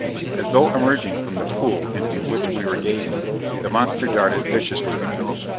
As though emerging from the pool into which we were gazing, the monster darted viciously at us.